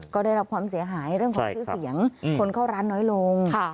ก็ได้รับความเสียหายเรื่องของชื่อเสียงคนเข้าร้านน้อยลง